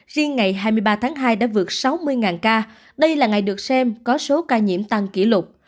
riêng ngày hai mươi ba tháng hai đã vượt sáu mươi ca đây là ngày được xem có số ca nhiễm tăng kỷ lục